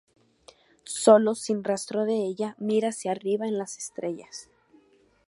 Solo, sin rastro de ella, mira hacia arriba en las estrellas.